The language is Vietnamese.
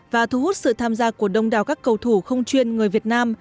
và thu hút sự tham gia của đông đào các cầu thủ không chuyên người việt nam